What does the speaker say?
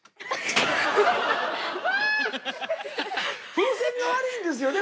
風船が悪いんですよね。